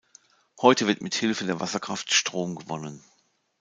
Heute wird mit Hilfe der Wasserkraft Strom gewonnen.